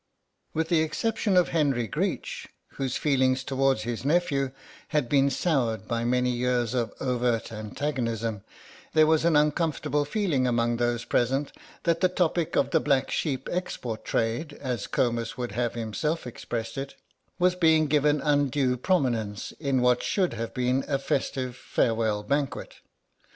With the exception of Henry Greech, whose feelings towards his nephew had been soured by many years of overt antagonism, there was an uncomfortable feeling among those present that the topic of the black sheep export trade, as Comus would have himself expressed it, was being given undue prominence in what should have been a festive farewell banquet.